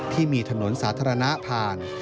ที่มีถนนสาธารณะผ่าน